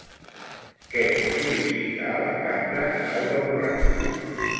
Què sol·licita a la cambra Laura Borràs?